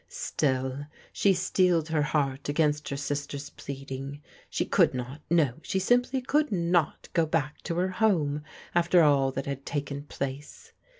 Still, she steeled her heart against her sister's pleading. She could not, no, she simply could not go back to her home after all that had taken place.